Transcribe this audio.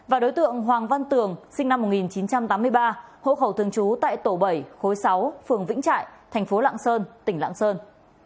và đối tượng hoàng văn tường sinh năm một nghìn chín trăm tám mươi ba hộ khẩu thường trú tại tổ bảy khối sáu phường vĩnh trại thành phố lạng sơn tỉnh lạng sơn